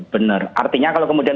benar artinya kalau kemudian